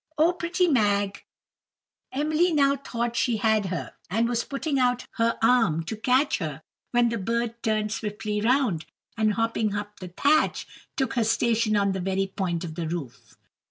Oh, pretty Mag!" Emily now thought she had her, and was putting out her arm to catch her when the bird turned swiftly round, and hopping up the thatch, took her station on the very point of the roof.